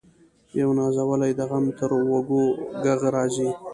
یو نازولی د غنم تر وږو ږغ راځي